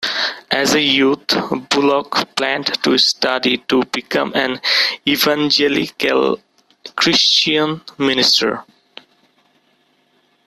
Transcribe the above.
As a youth, Bullock planned to study to become an evangelical Christian minister.